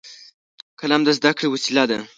قلم د زده کړې وسیله ده